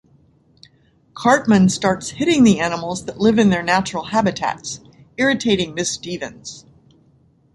Cartman starts hitting the animals that live in their natural habitats, irritating Miss Stevens.